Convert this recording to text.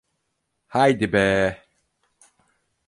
Haydi be!